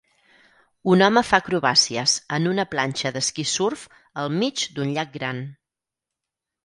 Un home fa acrobàcies en una planxa d'esquí-surf al mig d'un llac gran.